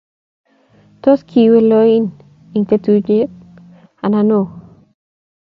tos kiiwe loin eng tetutyet anonon?